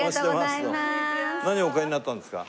何をお買いになったんですか？